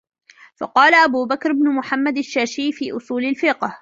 فَقَالَ أَبُو بَكْرِ بْنُ مُحَمَّدٍ الشَّاشِيُّ فِي أُصُولِ الْفِقْهِ